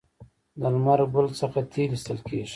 د لمر ګل څخه تیل ایستل کیږي.